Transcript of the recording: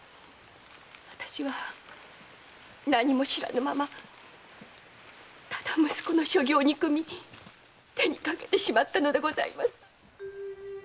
私は何も知らぬままただ息子の所業を憎み手にかけてしまったのでございます！